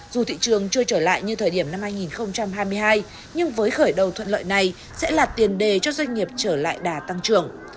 dù thị trường chưa trở lại như thời điểm năm hai nghìn hai mươi hai nhưng với khởi đầu thuận lợi này sẽ là tiền đề cho doanh nghiệp trở lại đà tăng trưởng